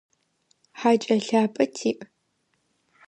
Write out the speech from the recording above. Хакӏэ лъапӏэ тиӏ.